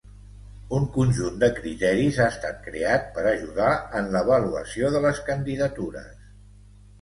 Un conjunt de criteris ha estat creat per ajudar en l'avaluació de les candidatures.